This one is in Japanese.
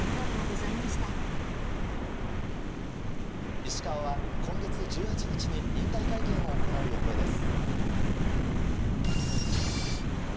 石川は今月１８日に引退会見を行う予定です。